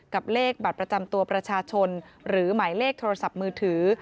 เลขบัตรประจำตัวประชาชนหรือหมายเลขโทรศัพท์มือถือ